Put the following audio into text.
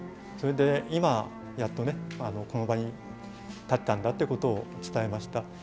それで、今やっとこの場に立ったんだということを伝えました。